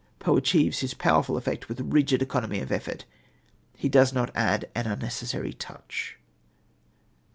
Poe achieves his powerful effect with rigid economy of effort. He does not add an unnecessary touch.